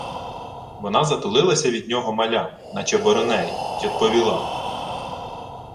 Вона затулилася від нього малям, наче боронею, й одповіла: